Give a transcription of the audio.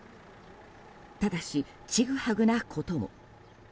ただし、ちぐはぐなことも。